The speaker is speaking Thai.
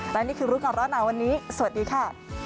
และนี่คือรุ่นกับร้อนไหนวันนี้สวัสดีค่ะ